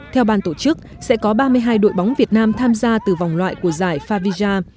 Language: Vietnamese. theo ban tổ chức sẽ có ba mươi hai đội bóng việt nam tham gia từ vòng loại của giải favija